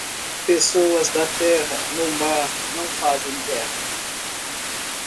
Pessoas da terra, no mar, não fazem guerra.